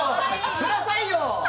くださいよ。